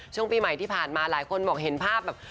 ช่วงปีใหม่ที่ผ่านมาหลายคนบอกเห็นภาพแบบ